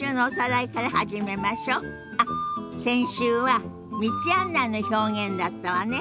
あっ先週は「道案内の表現」だったわね。